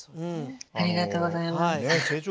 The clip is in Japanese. ありがとうございます。